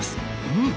うん！